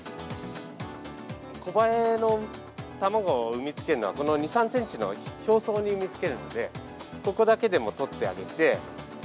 コバエの卵を産みつけるのは、この２、３センチの表層に産みつけるので、ここだけでも取ってあげて。